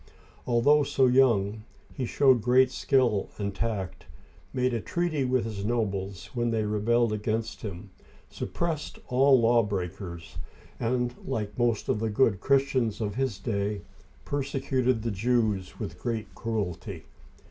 Although so young, he showed great skill and tact, made a treaty with his nobles when they rebelled against him, suppressed all law breakers, and — like most of the good Christians of his day — persecuted the Jews with great cruelty.